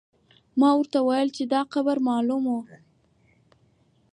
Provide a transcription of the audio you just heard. ما ورته وویل چې دا قبر معلوم و.